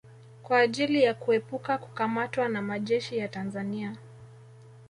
Kwa ajili ya kuepuka kukamatwa na majeshi ya Tanzania